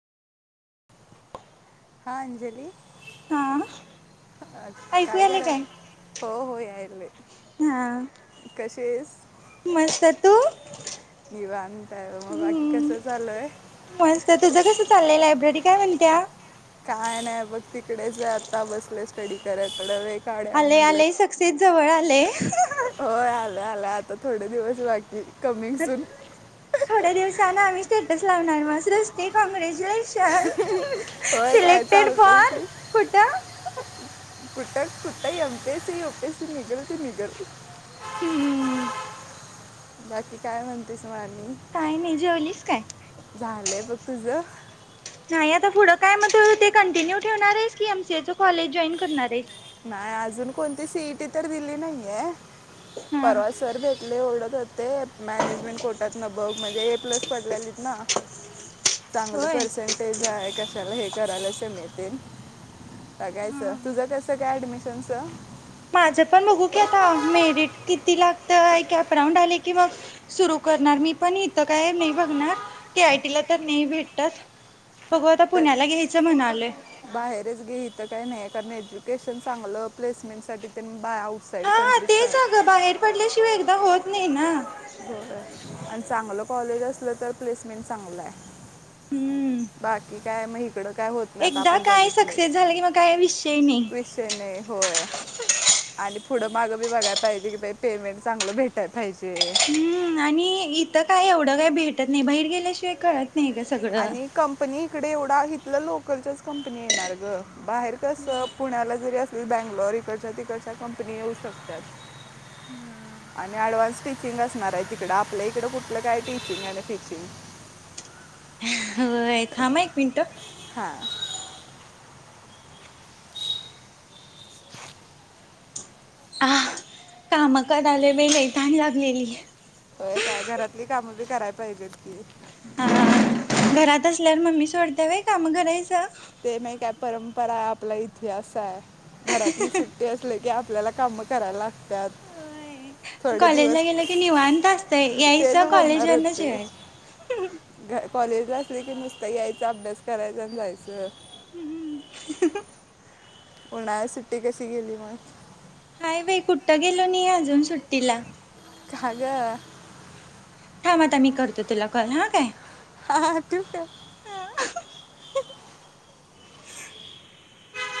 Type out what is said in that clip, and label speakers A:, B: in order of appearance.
A: हा अंजली
B: हा
A: अ,
B: ऐकू आले
A: करायला
B: काय
A: हो हो यायले
B: हा
A: कशी आहेस
B: मस्त तू्
A: निवांत आहे मग बाकी कसं चालू आहे
B: मस्त तुझ कस चाललंय लायब्ररी [unintelligible] [unintelligible] काय म्हणत्या
A: काय नाही बघ तिकडेच आता बसले स्टडी करत काढ्या
B: आले
A: म्हणले
B: आले ते जवळ आले
A: होय आलं आलं आता थोडे दिवस बाकी कमिंग सून
B: थोड्या दिवसान आम्ही स्टेटस लावणार म रस्ते काँग्रेज ान
A: होय काय
B: सिलेक्टेड
A: चालतंय
B: फॉर
A: की
B: कुठं [unintelligible]
A: कुठं कुठं एमपीएससी यूपीएससी निघाल ती निघलं
B: हम्म
A: बाकी काय म्हणतेस
B: काय नाही जेवलीस काय?
A: झालंय बघ तुझ
B: नाही आता पुढं काय मणत ते कंटिन्यू् ठेवणार आहेस की एमसीए च कॉलेज जॉईन करणार आहेस
A: नाही अजून कोणती सीट तर दिली नाहीये
B: हा.
A: परवा सर भेट ले एओढत होते मॅनेजमेंट कोर्टात न बघ म्हणजे ए प्लस पडलेलीत ना चांगलं
B: होय.
A: पर्सेंटेज आहे का चला हे करायलाच मिळते सगायचं
B: हा हा
A: तुझं कस [unintelligible]
B: माझं पण बघू की आता मेरिट किती लागत क अपराऊंड आले की बघ सुरू करणार मी पण इथं काय नाही बघणार ते आयटीला तर नाही भेटत बघू आता
A: तर
B: पुण्याला घ्यायचं म्हणाले
A: बाहेरच घे इथं काय नाही आहे कारण एज्युकेशन चांगलं प्लेसमेंट सासाठी त्यां
B: हा हा तेचगं बाहेर पडल्याशिवाय एकदा होत नाही ना
A: ब आणि चांगलं कॉलेज अस आपलं तर प्लेसमेंट चांगलं आहे
B: हम्म
A: बाकी काय मही का होत नाही
B: एकदा
A: आपण
B: काय
A: बघितल
B: सक्सेस झालं कि मग काय विषय नाही
A: [unintelligible] विषय नाही होय आणि पुढ माग बी बघा पाहिजे कि पेमेंट चांगलं भेटाय पाहिजे
B: ह आणि इथं काय एवढं काय भेटत नाही बाहेर गेल्याशिवाय कळत नाही का सगळं
A: आणि कंपनी इकडे एवढा हिथलं लोकलच्याच कंपनी येणार ग बाहेर कस
B: होय
A: पुण्याला जरी अस तुही बँंगलोरीकडच्या तिकडच्या कंपनी येऊ शकतात
B: हम्म
A: आणि ऍडव्हान्स टीचिंग असणार आहे तिकडं आपल्या इकडं कुठलं काय टीचिंग आहे टीचिंग
B: [unintelligible] ह थांबा एक मिनटं
A: हां
B: हा काम क आले मी लै तहान लागलेली आहे
A: होय काय घरातली कामं बी कराय पहिगट
B: ह घरात असल्या मम्मी कोणत्या वेळी काम करायचं
A: ते नाही काय परंपरा आपला इतिहास आहे घरातली सुट्टी असली की आपल्याला काम करा लाला
B: हो कॉलेजला गेलं की निवांत असत यास
A: तेच म्हणणार
B: कॉलेजवरण
A: होते
B: जे
A: घ- कॉलेजला असले की नुसत यायचा अभ्यास करायचा जाईल ज
B: हम्म हम्
A: उन्हाळ्या सुट्टी कशी गेली मग
B: हाय बाई कुठं गेलो नाही अजून सुट्टीला.
A: कागं
B: थांबता मी करतो तुला कॉल हा काय
A: हा त का